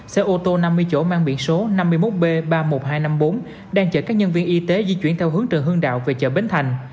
xe ô tô năm mươi chỗ mang biển số năm mươi một b ba mươi một nghìn hai trăm năm mươi bốn đang chở các nhân viên y tế di chuyển theo hướng trần hương đạo về chợ bến thành